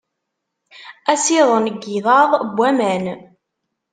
Asiḍen n yigḍaḍ n waman.